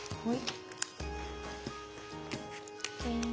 はい。